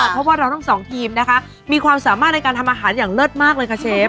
เพราะว่าเราทั้งสองทีมนะคะมีความสามารถในการทำอาหารอย่างเลิศมากเลยค่ะเชฟ